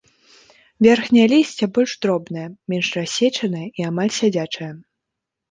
Верхняе лісце больш дробнае, менш рассечанае і амаль сядзячае.